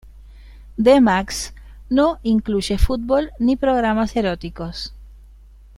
Dmax no incluye fútbol ni programas eróticos.